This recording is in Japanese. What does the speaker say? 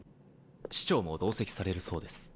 市長も同席されるそうです。